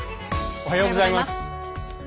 おはようございます。